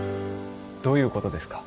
どういうことですか？